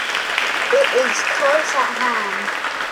It is close at hand.